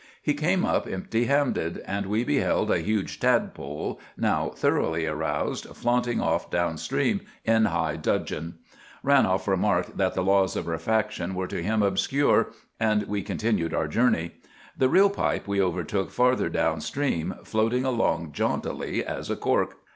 He came up empty handed; and we beheld a huge tadpole, now thoroughly aroused, flaunting off down stream in high dudgeon. Ranolf remarked that the laws of refraction were to him obscure; and we continued our journey. The real pipe we overtook farther down stream, floating along jauntily as a cork.